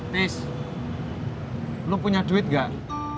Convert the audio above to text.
nis lu punya duit gak